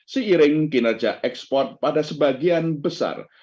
seiring kinerja ekspor pada sebagian besar